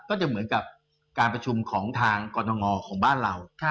ก็จะเหมือนกับการประชุมของทางกรณงของบ้านเรา